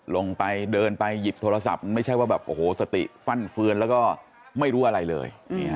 ลงไปเดินไปหยิบโทรศัพท์มันไม่ใช่ว่าแบบโอ้โหสติฟั่นเฟือนแล้วก็ไม่รู้อะไรเลย